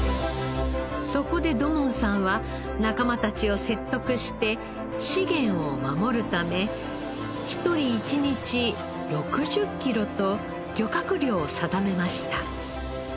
そこで土門さんは仲間たちを説得して資源を守るため１人１日６０キロと漁獲量を定めました。